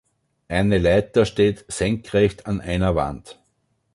Eine Leiter steht senkrecht an einer Wand.